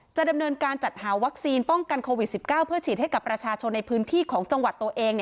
จะดำเนินการจัดหาวัคซีนป้องกันโควิด๑๙เพื่อฉีดให้กับประชาชนในพื้นที่ของจังหวัดตัวเอง